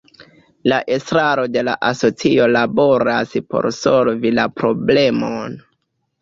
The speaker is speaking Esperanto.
La estraro de la asocio laboras por solvi la problemon.